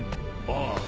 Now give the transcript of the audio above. ああ